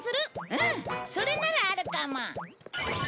うんそれならあるかも。